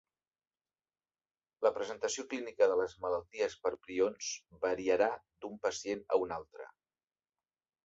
La presentació clínica de les malalties per prions variarà d'un pacient a un altre.